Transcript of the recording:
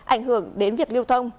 ảnh hưởng đến việc lưu thông